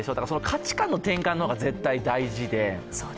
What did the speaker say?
価値観の転換が絶対大事で。